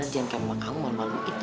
jangan kayak mama kamu malu malu gitu